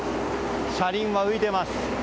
車輪は浮いています。